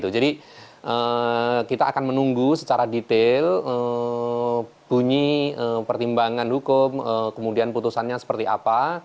jadi kita akan menunggu secara detail bunyi pertimbangan hukum kemudian putusannya seperti apa